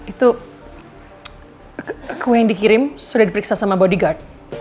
itu kue yang dikirim sudah diperiksa sama bodyguard